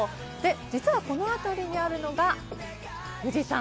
実はこの辺りにあるのが富士山。